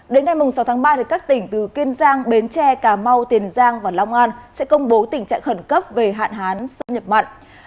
đến ngày sáu tháng ba các tỉnh từ kiên giang bến tre cà mau tiền giang và long an sẽ công bố tình trạng khẩn cấp về hạn hán xâm nhập mặn